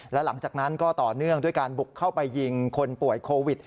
และหลังจากนั้นก็ต่อเนื่องด้วยการบุกเข้าไปยิงคนป่วยโควิด